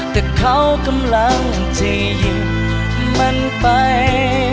แต่เขากำลังจะหยิบมันไป